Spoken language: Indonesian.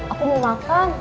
aku mau makan